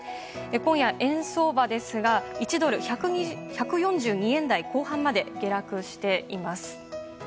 今夜、円相場ですが、一時１ドル＝１４２円台後半まで下落。